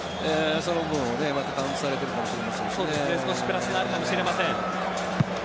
その分もね、またカウントされて少しプラスになるかもしれません。